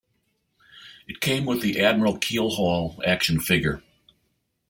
It came with the "Admiral Keel Haul" action figure.